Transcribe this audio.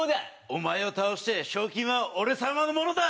お前を倒して賞金は俺様のものだ！